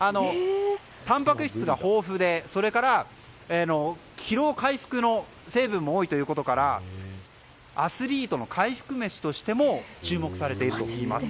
たんぱく質が豊富でそれから疲労回復の成分も多いということからアスリートの回復飯としても注目されています。